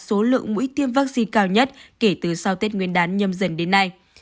số lượng mũi tiêm vaccine cao nhất kể từ sau tết nguyên đán nhâm dần đến nay